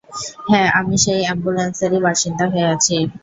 হ্যাঁ, আমি সেই অ্যাম্বুলেন্সেরই বাসিন্দা হয়ে আছি।